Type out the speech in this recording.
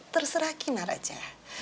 terserah kinar aja